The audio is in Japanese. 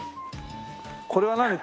これは何？